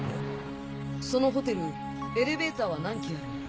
そのホテルエレベーターは何基ある？